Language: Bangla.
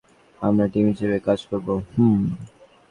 আমরা টিম হিসেবে কাজ করব, হুম?